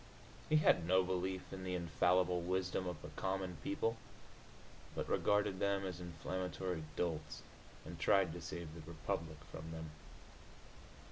He had no belief in the infallible wisdom of the common people, but regarded them as inflammatory dolts, and tried to save the republic from them.